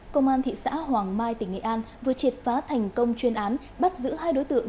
công an thị xã hoàng mai tỉnh nghệ an vừa triệt phá thành công chuyên án bắt giữ hai đối tượng